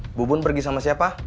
ibu bun pergi sama siapa